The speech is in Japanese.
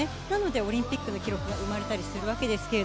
なのでオリンピックの記録が生まれたりするわけです。